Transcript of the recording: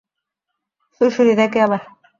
সুড়সুড়ি দেয় কে আবার?